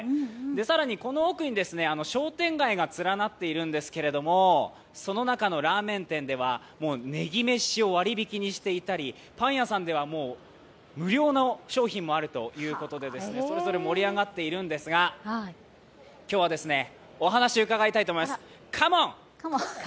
更にこの奥に商店街が連なっているんですけれどもその中のラーメン店では、もうねぎめしを割引にしていたり、パン屋さんでは無料の商品もあるということでそれぞれ盛り上がっているんですが、今日はお話伺いたいと思います、カモン！